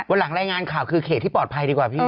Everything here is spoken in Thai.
หลังรายงานข่าวคือเขตที่ปลอดภัยดีกว่าพี่